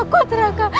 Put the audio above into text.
aku takut raka